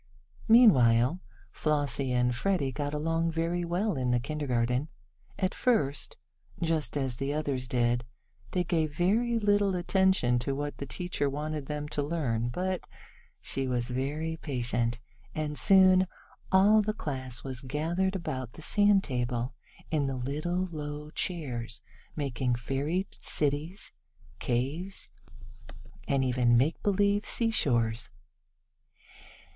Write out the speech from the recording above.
Meanwhile Flossie and Freddie got along very well in the kindergarten. At first, just as the others did, they gave very little attention to what the teacher wanted them to learn, but she was very patient, and soon all the class was gathered about the sand table, in the little low chairs, making fairy cities, caves, and even makebelieve seashore places.